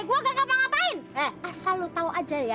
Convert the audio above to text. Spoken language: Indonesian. sampai jumpa di video selanjutnya